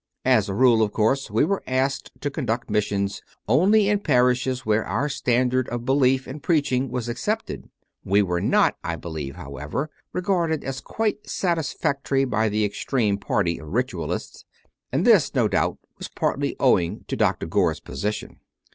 As a rule, of course, we were asked to conduct missions only in parishes where our standard of belief and preaching was accepted. (We were not, I believe, however, re 70 CONFESSIONS OF A CONVERT garded as quite satisfactory by the extreme party of Ritualists, and this, no doubt, was partly owing to Dr. Gore s position.